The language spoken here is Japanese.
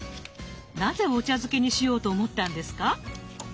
なぜお茶漬けにしようと思ったんですか？